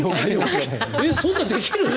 そんなできる？